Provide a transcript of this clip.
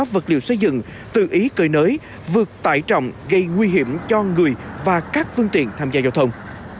vật liệu xây dựng tự ý cơi nới vượt tải trọng gây nguy hiểm cho người và các phương tiện tham gia giao thông